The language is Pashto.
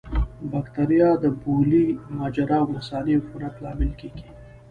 بکتریا د بولي مجرا او مثانې عفونت لامل کېږي.